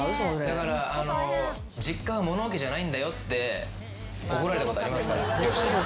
だから「実家は物置じゃないんだよ」って怒られたことありますから両親に。